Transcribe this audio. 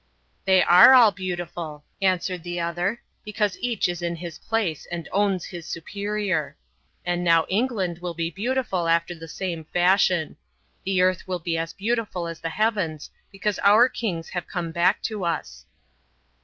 "They are all beautiful," answered the other, "because each is in his place and owns his superior. And now England will be beautiful after the same fashion. The earth will be as beautiful as the heavens, because our kings have come back to us."